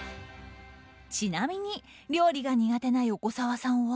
ちなみに料理が苦手な横澤さんは。